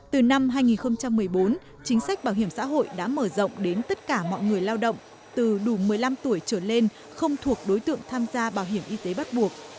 từ năm hai nghìn một mươi bốn chính sách bảo hiểm xã hội đã mở rộng đến tất cả mọi người lao động từ đủ một mươi năm tuổi trở lên không thuộc đối tượng tham gia bảo hiểm y tế bắt buộc